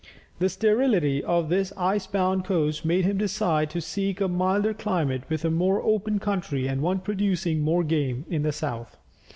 The sterility of this ice bound coast made him decide to seek a milder climate with a more open country, and one producing more game, in the south.